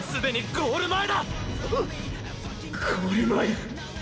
ゴール前だ！！